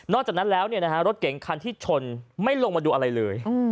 นอกจากนั้นแล้วเนี่ยนะฮะรถเก่งคันที่ชนไม่ลงมาดูอะไรเลย